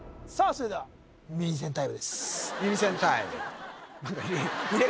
それでは耳栓タイムです